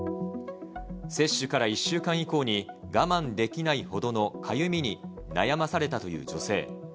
接種から１週間以降に、我慢できないほどのかゆみに悩まされたという女性。